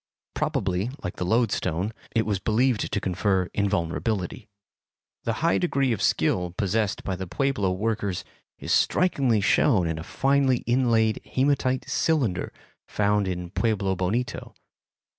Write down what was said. Probably, like the loadstone, it was believed to confer invulnerability. The high degree of skill possessed by the Pueblo workers is strikingly shown in a finely inlaid hematite cylinder found in Pueblo Bonito.